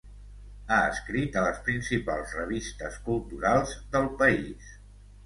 Ha escrit a les principals revistes culturals del país.